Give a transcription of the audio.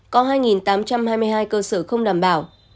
có hai tám trăm hai mươi hai cơ sở không đảm bảo